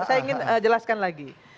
saya ingin jelaskan lagi